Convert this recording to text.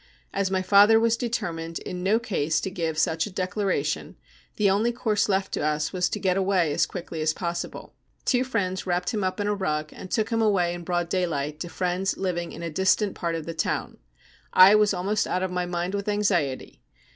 As my father was determined in no c*se to give such a declaration, the only course left to us was to get away as quickly as possible. Two friends wrapped him up in a rug, and took him away in broad daylight to friends living in a distant part of the town. I was almost out of my mind with anxiety.